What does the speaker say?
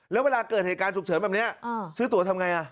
แล้วเวลาเกิดเหตุการณ์ฉุกเฉินแบบนี้ซื้อตัวทำไง